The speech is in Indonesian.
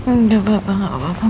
enggak papa enggak apa apa